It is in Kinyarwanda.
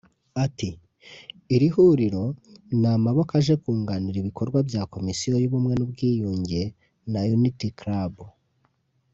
Ati“iri huriro ni amaboko aje kunganira ibikorwa bya komisiyo y’ubumwe n’ubwiyunge na Unity Club”